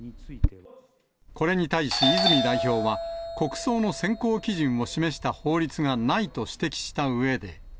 これに対し、泉代表は、国葬の選考基準を示した法律がないと指摘したうえで。